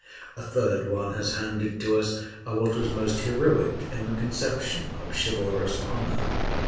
A third one has handed to us what was most heroic in the conception of chivalrous honor.